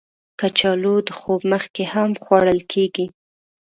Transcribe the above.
کچالو د خوب مخکې هم خوړل کېږي